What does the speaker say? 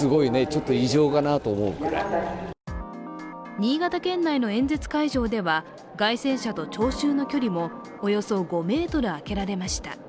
新潟県内の演説会場では街宣車と聴衆の距離もおよそ５ｍあけられました。